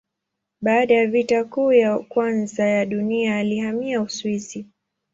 Baada ya Vita Kuu ya Kwanza ya Dunia alihamia Uswisi.